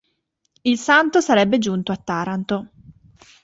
Il santo sarebbe giunto a Taranto.